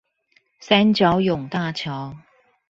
三角湧大橋